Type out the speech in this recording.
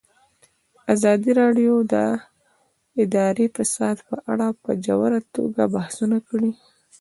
ازادي راډیو د اداري فساد په اړه په ژوره توګه بحثونه کړي.